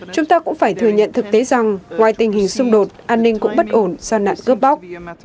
chúng ta cũng phải thừa nhận thực tế rằng ngoài tình hình xung đột an ninh cũng bất ổn do nạn cướp bóc